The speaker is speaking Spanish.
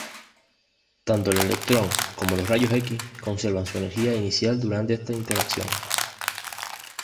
Tanto el electrón como los rayos X conservan su energía inicial durante esta interacción.